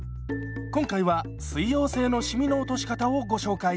今回は水溶性のシミの落とし方をご紹介します。